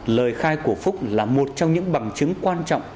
lời khai của phúc là một trong những bằng chứng quan trọng